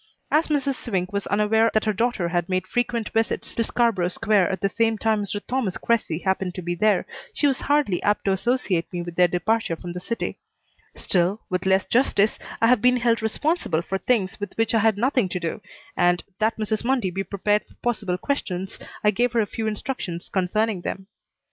As Mrs. Swink was unaware that her daughter had made frequent visits to Scarborough Square at the same time Mr. Thomas Cressy happened to be there, she was hardly apt to associate me with their departure from the city; still, with less justice I have been held responsible for things with which I had nothing to do, and, that Mrs. Mundy be prepared for possible questions, I gave her a few instructions concerning them.